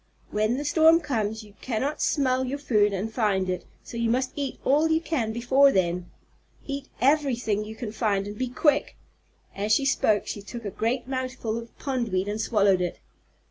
When the storm comes you cannot smell your food and find it, so you must eat all you can before then. Eat everything you can find and be quick." As she spoke she took a great mouthful of pondweed and swallowed it.